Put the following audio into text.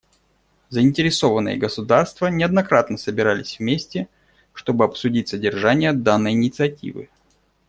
Заинтересованные государства неоднократно собирались вместе чтобы обсудить содержание данной инициативы.